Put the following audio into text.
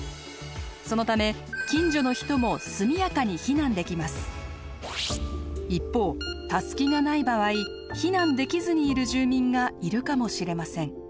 そのため一方タスキがない場合避難できずにいる住民がいるかもしれません。